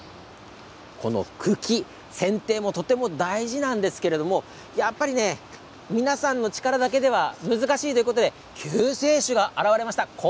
この茎せんていもとても大事なんですけどやっぱり皆さんの力だけでは難しいということで救世主が現れました。